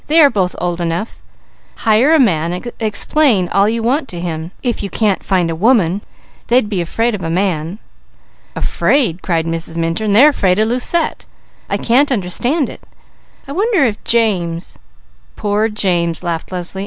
"They are both old enough; hire a man, and explain all you want to him. They'd be afraid of a man." "Afraid!" cried Mrs. Minturn. "They are afraid of Lucette! I can't understand it. I wonder if James " "Poor James!" laughed Leslie.